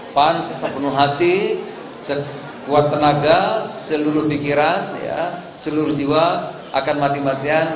pan sesa penuh hati sekuat tenaga seluruh pikiran seluruh jiwa akan mati matian